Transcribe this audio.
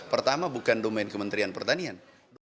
pertama bukan domain kementerian pertanian